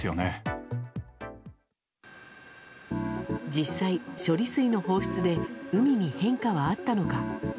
実際、処理水の放出で海に変化はあったのか。